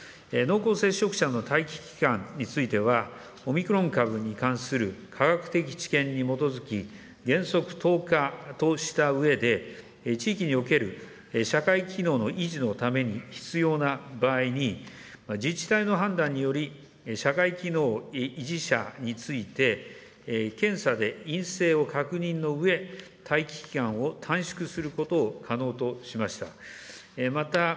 濃厚接触者の待機期間については、オミクロン株に関する科学的知見に基づき、原則１０日としたうえで、地域における社会機能の維持のために必要な場合に、自治体の判断により、社会機能維持者について、検査で陰性を確認のうえ、待機期間を短縮することを可能としました。